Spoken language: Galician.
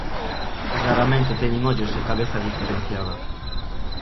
Raramente teñen ollos e cabeza diferenciada.